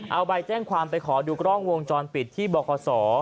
เอาใบแจ้งความไปขอดูกล้องวงจรปิดที่บคศ